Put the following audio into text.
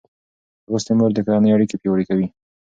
لوستې مور د کورنۍ اړیکې پیاوړې کوي.